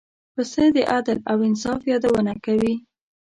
پسه د عدل او انصاف یادونه کوي.